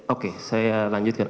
oke saya lanjutkan